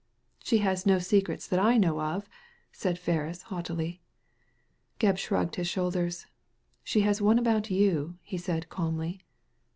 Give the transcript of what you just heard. " She has no secrets that I know of," said Ferris, haughtily. Gebb shrugged his shoulders. "She has one about you," he said calmly.